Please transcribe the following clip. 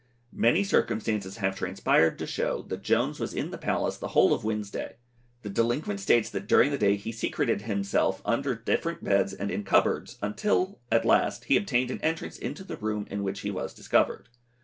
Many circumstances have transpired to show that Jones was in the Palace the whole of Wednesday. The delinquent states that during the day he secreted himself under different beds and in cupboards, until at last he obtained an entrance into the room in which he was discovered.